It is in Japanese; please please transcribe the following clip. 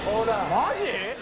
マジ！？